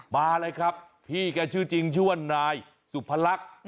มาเลยครับพี่แกชื่อจริงชื่อว่านายสุพรรค